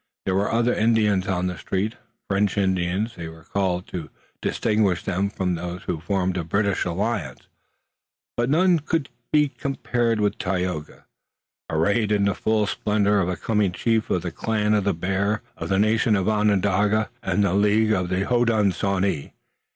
There were other Indians on the street French Indians they were called to distinguish them from those who formed a British alliance but none could be compared with Tayoga, arrayed in the full splendor of a coming chief of the clan of the Bear, of the nation Onondaga, of the League of the Hodenosaunee.